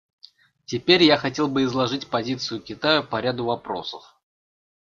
Теперь я хотел бы изложить позицию Китая по ряду вопросов.